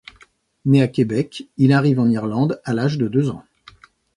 Né à Québec, il arrive en Irlande à l'âge de deux ans.